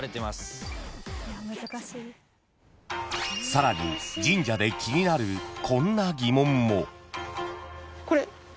［さらに神社で気になるこんな疑問も］